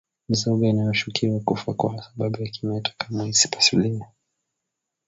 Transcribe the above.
Mizoga inayoshukiwa kufa kwa sababu ya kimeta kamwe isipasuliwe